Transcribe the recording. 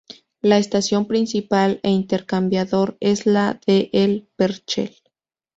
La estación principal e intercambiador es la de El Perchel.